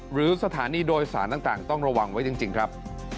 หรือสถานีโดยสารต่างต้องระวังไว้จริงครับ